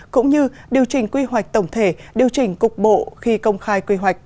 cũng như điều chỉnh quy hoạch tổng thể điều chỉnh cục bộ khi công khai quy hoạch